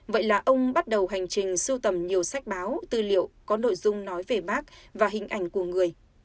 vậy là ông bắt đầu hành trình sưu tầm nhiều sách báo tư liệu có nội dung nói về bác và hình ảnh của người